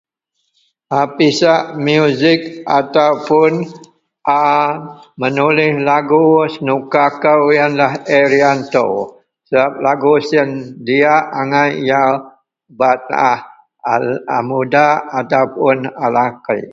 a pisak music ataupun a menulih lagu wak senuka kou ienlah arianto sebab lagu sien diak agai yau bak taah a mudak ataupun a lakei